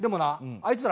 あいつら？